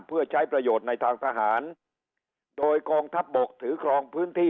เพื่อใช้ประโยชน์ในทางทหารโดยกองทัพบกถือครองพื้นที่